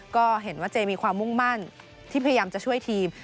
ก็เห็นว่าเจมีความมุ่งมั่นที่พยายามจะช่วยทีม